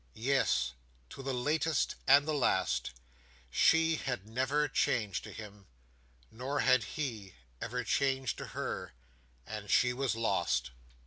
Yes, to the latest and the last. She had never changed to him—nor had he ever changed to her—and she was lost.